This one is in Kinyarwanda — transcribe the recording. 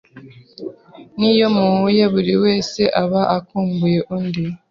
niyo muhuye buri wese aba akumbuye undi